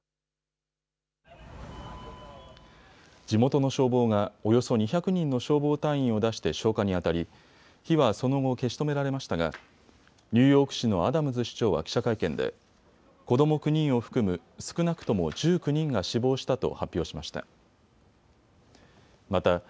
地元の消防が、およそ２００人の消防隊員を出して消火にあたり火はその後、消し止められましたがニューヨーク市のアダムズ市長は記者会見で子ども９人を含む少なくとも１９人が死亡したと発表しました。